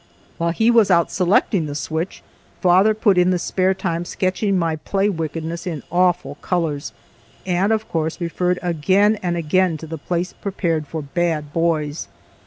While he was out selecting the switch, father put in the spare time sketching my play wickedness in awful colors, and of course referred again and again to the place prepared for bad boys.